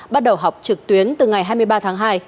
bắt đầu học trực tuyến từ ngày hai mươi ba tháng hai